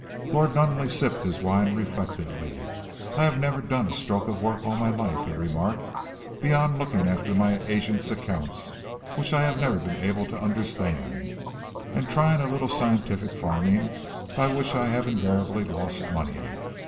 Lord Nunneley sipped his wine reflectively. "I have never done a stroke of work all my life," he remarked, "beyond looking after my agent's accounts, which I have never been able to understand, and trying a little scientific farming, by which I have invariably lost money.